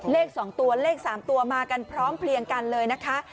เลข๒ตัวเลข๓ตัวมากันพร้อมเพลียงกันเลยนะคะ